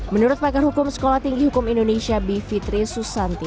menurut pakar hukum sekolah tinggi hukum indonesia b fitri susanti